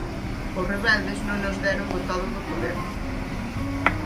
Os rebeldes non os deron botado do poder.